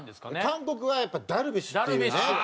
韓国はやっぱダルビッシュっていうね。